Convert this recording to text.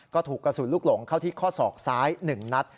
ก็ถูกกระสุนลูกหลงเข้าที่ข้อศอกซ้าย๑นัด